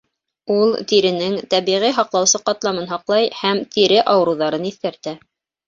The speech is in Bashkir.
Ул тиренең тәбиғи һаҡлаусы ҡатламын һаҡлай һәм тире ауырыуҙарын иҫкәртә.